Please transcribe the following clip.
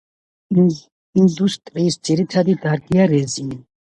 ინდუსტრიის ძირითადი დარგია რეზინი.